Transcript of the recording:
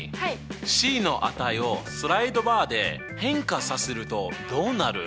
ｃの値をスライドバーで変化させるとどうなる？